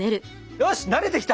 よし慣れてきた。